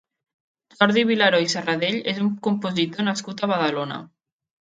Jordi Vilaró i Sarradell és un compositor nascut a Badalona.